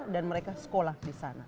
di sekolah di sana